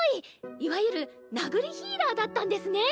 いわゆる殴りヒーラーだったんですね。